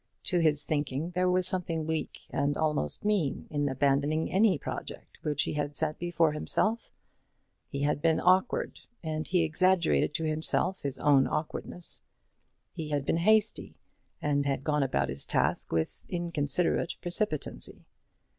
To his thinking there was something weak and almost mean in abandoning any project which he had set before himself. He had been awkward, and he exaggerated to himself his own awkwardness. He had been hasty, and had gone about his task with inconsiderate precipitancy.